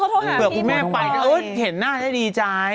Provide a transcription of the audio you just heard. เผื่อคุณแม่ไปเห็นหน้าได้ดีจ้าย